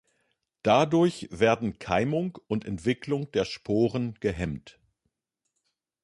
Dadurch werden Keimung und Entwicklung der Sporen gehemmt.